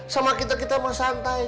sama kita kita sama santai